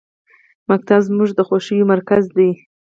ښوونځی زموږ د خوښیو مرکز دی